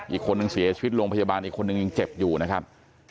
อีกคนนึงเสียชีวิตโรงพยาบาลอีกคนนึงยังเจ็บอยู่นะครับ